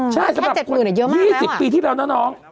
แค่๗๐๐๐๐นี่เยอะมากแล้วอ่ะใช่สำหรับคน๒๐ปีที่แล้วนะน้อง